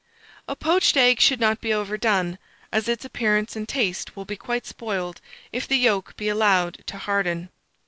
A poached egg should not be overdone, as its appearance and taste will be quite spoiled if the yolk be allowed to harden.